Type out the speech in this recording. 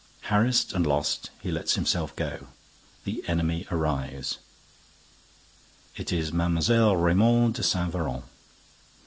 Harassed and lost, he lets himself go. The enemy arrives. It is Mlle. Raymonde de Saint Véran.